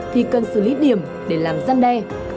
thì cần xử lý điểm để làm răn đe